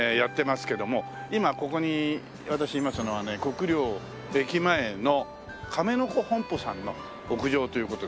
今ここに私いますのはね国領駅前の亀乃子本舗さんの屋上という事で。